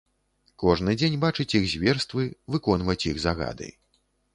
Кожны дзень бачыць іх зверствы, выконваць іх загады.